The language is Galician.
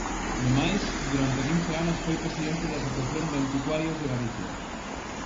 Ademais, durante quince anos foi presidente da Asociación de Anticuarios de Galicia.